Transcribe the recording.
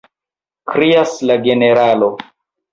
krias la generalo.